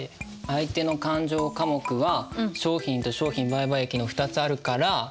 相手の勘定科目は商品と商品売買益の２つあるから。